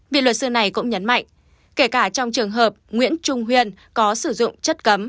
vì luật sư này cũng nhấn mạnh kể cả trong trường hợp nguyễn trung huyên có sử dụng chất cấm